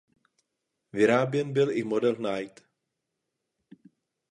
Vyráběn byl i model "Knight".